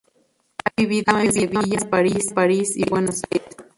Ha vivido en Sevilla, París y Buenos Aires.